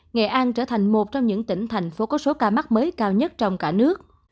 nghệ an trở thành một trong những tỉnh thành phố có số ca mắc mới cao nhất trong cả nước